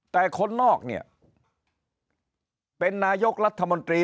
แต่คนนอกเป็นนายกรัฐบุญตรี